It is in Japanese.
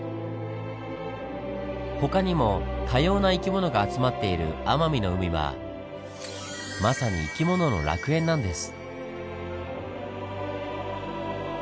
他にも多様な生き物が集まっている奄美の海はまさに生き物の楽園なんです。